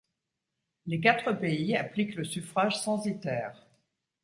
Les quatre pays appliquent le suffrage censitaire.